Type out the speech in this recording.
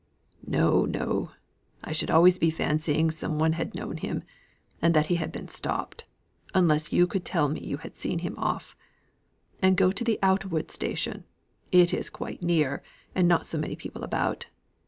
"No, no! I should always be fancying some one had known him, and that he had been stopped, unless you could tell me you had seen him off. And go to the Outwood station. It is quite as near, and not so many people about.